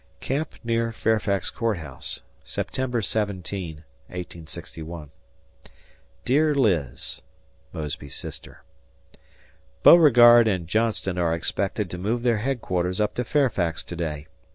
Camp near Fairfax Court House, September 17, 1861. Dear Liz: [Mosby's sister] Beauregard and Johnston are expected to move their headquarters up to Fairfax to day.